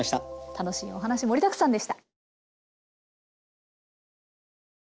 楽しいお話盛りだくさんでした。